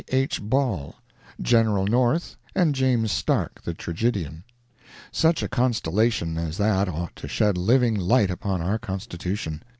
H. Ball, General North and James Stark, the tragedian. Such a constellation as that ought to shed living light upon our Constitution.